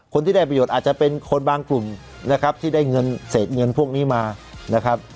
คนที่ได้ประโยชน์อาจจะเป็นคนบางกลุ่มนะครับที่ได้เงินเศษเงินพวกนี้มานะครับ